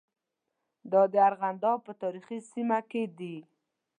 دا د ارغنداب په تاریخي سیمه کې دي.